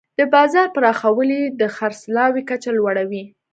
د بازار پراخوالی د خرڅلاو کچه لوړوي.